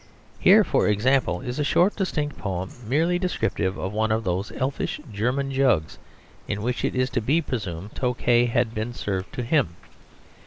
Here, for example, is a short distinct poem merely descriptive of one of those elfish German jugs in which it is to be presumed Tokay had been served to him.